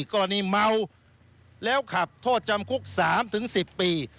กรณีเมาแล้วขับโทษจำคุก๓๑๐ปี